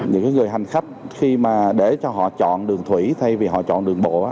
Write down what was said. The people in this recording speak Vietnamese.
những người hành khách khi mà để cho họ chọn đường thủy thay vì họ chọn đường bộ